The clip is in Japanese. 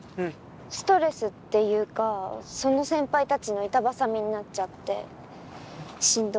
ストレスっていうかその先輩たちの板挟みになっちゃってしんどくて。